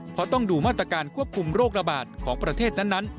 เพราะต้องดูมาตรการควบคุมโรคระบาดของประเทศนั้น